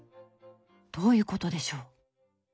どういうことでしょう？